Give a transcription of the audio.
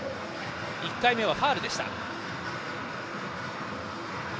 １回目はファウルでした。